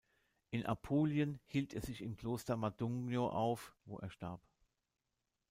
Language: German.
In Apulien hielt er sich im Kloster Modugno auf, wo er starb.